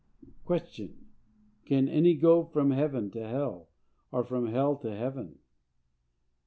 Q. Can any go from heaven to hell, or from hell to heaven?